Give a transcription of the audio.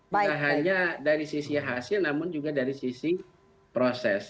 bukan hanya dari sisi hasil namun juga dari sisi proses